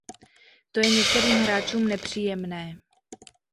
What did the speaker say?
To je některým hráčům nepříjemné.